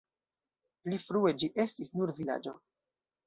Pli frue ĝi estis nur vilaĝo.